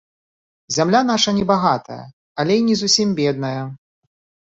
Зямля наша не багатая, але і не зусім бедная.